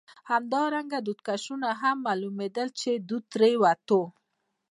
همدارنګه دودکشونه هم معلومېدل، چې دود ترې وتل.